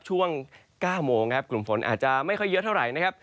ช่วง๙โมงครับกลุ่มฝนอาจจะไม่ค่อยเยอะเท่าไหร่นะครับ